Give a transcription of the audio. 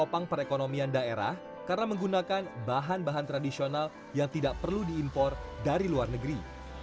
karena menggunakan bahan bahan tradisional yang tidak perlu diimpor dari luar negeri